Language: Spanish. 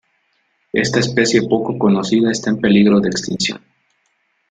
Esta especie poco conocida está en peligro de extinción.